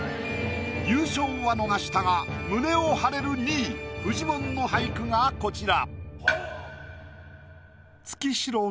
優勝は逃したが胸を張れる２位フジモンの俳句がこちら。